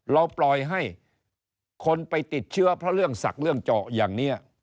เราปล่อยให้คนไปติดเชื้อเพราะเรื่องศักดิ์เรื่องเจาะอย่างนี้